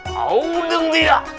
kau deng diak